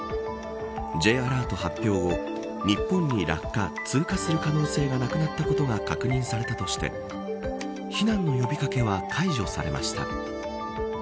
Ｊアラート発表後日本に落下、通過する可能性はなくなったことが確認されたとして避難の呼び掛けは解除されました。